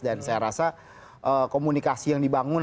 dan saya rasa komunikasi yang dibangun